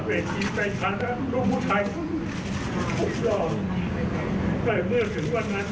ขอสังคมช่วยจัดการกับผมได้เลยน้ำตาลลูกคนชายทั้งนี้วันนี้